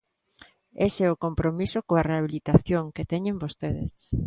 Ese é o compromiso coa rehabilitación que teñen vostedes.